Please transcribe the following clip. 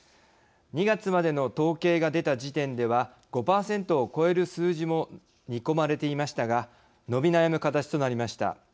２月までの統計が出た時点では５％を超える数字も見込まれていましたが伸び悩む形となりました。